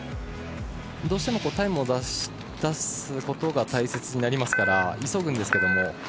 どうしてもタイムを出すことが大切になりますから急ぐんですけれども。